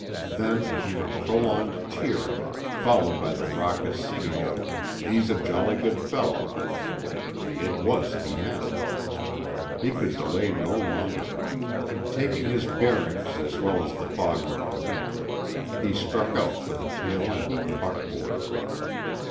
Then came a prolonged cheering, followed by the raucous singing of "He's a jolly good fellow." It was the end. He could delay no longer. Taking his bearings as well as the fog would permit, he struck out for the tail end of the buckboard.